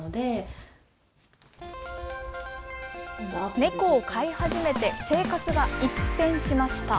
猫を飼い始めて生活が一変しました。